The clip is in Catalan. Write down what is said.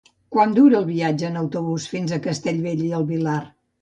Quant dura el viatge en autobús fins a Castellbell i el Vilar?